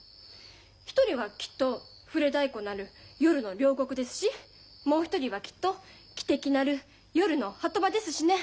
一人はきっと「ふれ太鼓鳴る夜の両国」ですしもう一人はきっと「汽笛鳴る夜の波止場」ですしね。